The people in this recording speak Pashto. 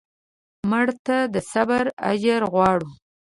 مړه ته د صبر اجر غواړو